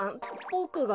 ボクが？